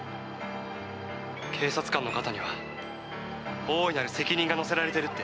警察官の肩には大いなる責任がのせられてるって。